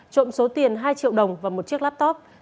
trộm số tiền hai triệu đồng và một chiếc laptop